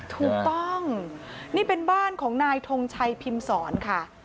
ถูกต้องนี่เป็นบ้านของนายทงชัยพิมศรค่ะ